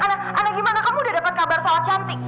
ana gimana kamu udah dapet kabar soal cantik